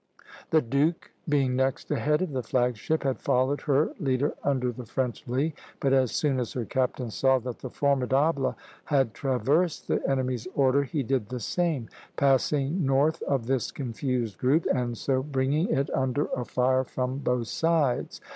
The "Duke" (C, d), being next ahead of the flag ship, had followed her leader under the French lee; but as soon as her captain saw that the "Formidable" had traversed the enemy's order, he did the same, passing north of this confused group and so bringing it under a fire from both sides.